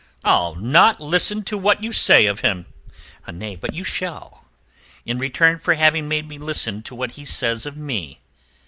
"I'll not listen to what you say of him." "Nay, but you shall, in return for having made me listen to what he says of me.